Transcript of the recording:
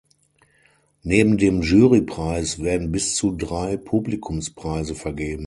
Neben dem Jurypreis werden bis zu drei Publikumspreise vergeben.